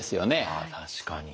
あ確かに。